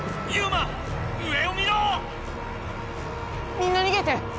みんなにげて！